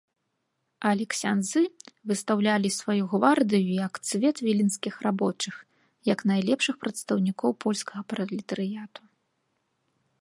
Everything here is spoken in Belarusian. Але ксяндзы выстаўлялі сваю гвардыю як цвет віленскіх рабочых, як найлепшых прадстаўнікоў польскага пралетарыяту.